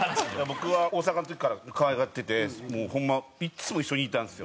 僕は大阪の時から可愛がっててもうホンマいつも一緒にいたんですよ。